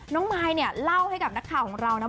มายเนี่ยเล่าให้กับนักข่าวของเรานะ